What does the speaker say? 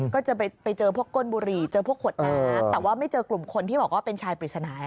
ก็จะไปเจอพวกก้นบุหรี่เจอพวกขวดน้ำแต่ว่าไม่เจอกลุ่มคนที่บอกว่าเป็นชายปริศนา